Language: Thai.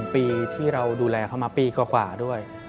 ปีที่เราดูแลเขามาปีกว่าด้วย